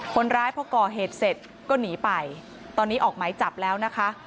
คนร้ายพอก่อเหตุเสร็จก็หนีไปตอนนี้ออกหมายจับแล้วนะคะ